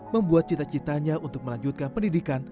membuat cita citanya untuk melanjutkan pendidikan